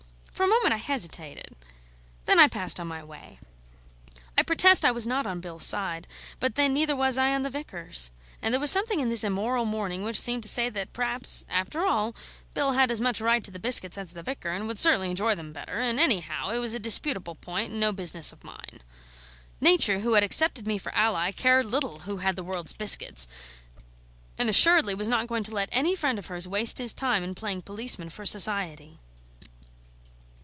For a moment I hesitated; then I passed on my way. I protest I was not on Bill's side; but then, neither was I on the Vicar's, and there was something in this immoral morning which seemed to say that perhaps, after all, Bill had as much right to the biscuits as the Vicar, and would certainly enjoy them better; and anyhow it was a disputable point, and no business of mine. Nature, who had accepted me for ally, cared little who had the world's biscuits, and assuredly was not going to let any friend of hers waste his time in playing policeman for Society.